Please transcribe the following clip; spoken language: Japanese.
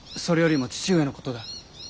それよりも父上のことだ。